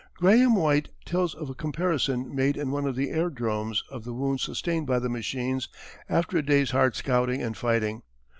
Grahame White tells of a comparison made in one of the airdromes of the wounds sustained by the machines after a day's hard scouting and fighting.